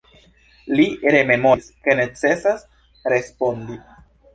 Mi rememoris, ke necesas respondi.